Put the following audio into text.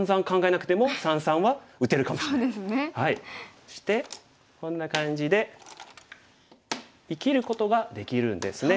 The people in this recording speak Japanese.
そしてこんな感じで生きることができるんですね。